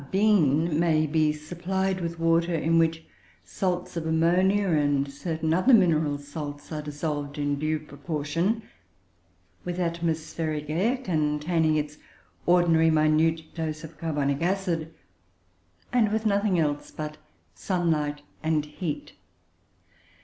A bean may be supplied with water in which salts of ammonia and certain other mineral salts are dissolved in due proportion; with atmospheric air containing its ordinary minute dose of carbonic acid; and with nothing else but sunlight and heat.